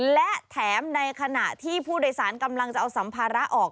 และแถมในขณะที่ผู้โดยสารกำลังจะเอาสัมภาระออก